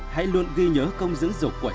hãy luôn ghi nhớ công dưỡng dục của cha mẹ